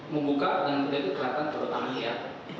membuka dan kelihatan kita bertanggung jawab